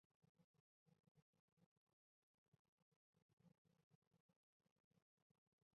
角色设计由板仓耕一担当。